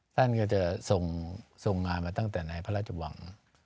ท่านก็จะส่งงานมาตั้งแต่ในพระราชวัง